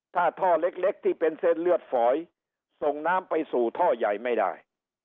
ถ้าท่อเล็กที่เป็นเส้นเลือดฝอยส่งน้ำไปสู่ท่อใหญ่ไม่ได้